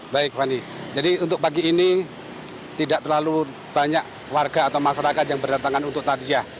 baik fani jadi untuk pagi ini tidak terlalu banyak warga atau masyarakat yang berdatangan untuk tadziah